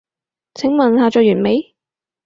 請問下載完未？